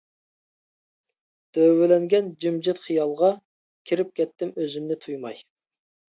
دۆۋىلەنگەن جىمجىت خىيالغا، كىرىپ كەتتىم ئۆزۈمنى تۇيماي.